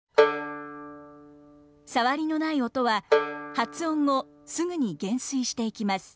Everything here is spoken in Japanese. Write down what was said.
サワリのない音は発音後すぐに減衰していきます。